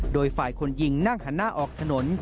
โดยฝ่ายคนยิงนั่งหันหน้าออกถนน